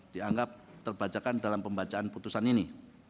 dianggap terbacakan dalam pembacaan putusan ini